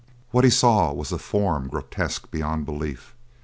What he saw was a form grotesque beyond belief.